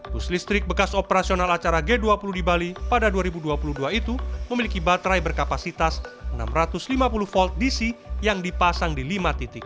bus listrik bekas operasional acara g dua puluh di bali pada dua ribu dua puluh dua itu memiliki baterai berkapasitas enam ratus lima puluh volt dc yang dipasang di lima titik